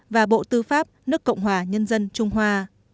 và bộ tư pháp nước cộng hòa nhân dân trung hoa